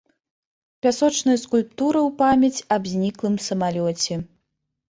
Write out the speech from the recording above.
Пясочная скульптура ў памяць аб зніклым самалёце.